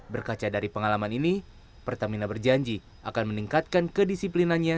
berkaca dari pengalaman ini pertamina berjanji akan meningkatkan kedisiplinannya